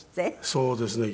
そうですね。